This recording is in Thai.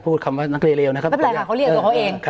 พูดคำว่านักเรียนเลวนะครับไม่เป็นไรค่ะเขาเรียกตัวเขาเองครับ